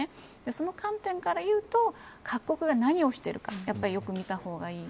その観点からいうと各国は何をしているかよく見た方がいい。